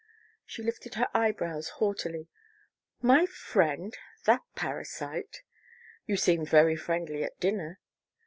She lifted her eyebrows haughtily. "My friend? That parasite?" "You seemed very friendly at dinner."